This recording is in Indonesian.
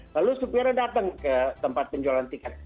lalu supirnya datang ke tempat penjualan tiket